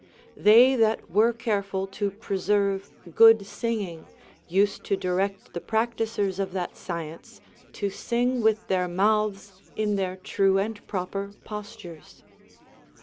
They that were careful to preserve good singing used to direct the practisers of that science to sing with their moutlis in their true and proper postures.